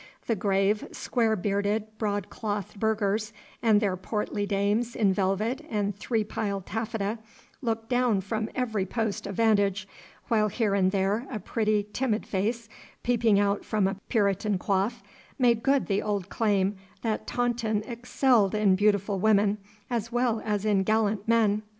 The grave, square bearded, broadclothed burghers, and their portly dames in velvet and three piled taffeta, looked down from every post of vantage, while here and there a pretty, timid face peeping out from a Puritan coif made good the old claim, that Taunton excelled in beautiful women as well as in gallant men.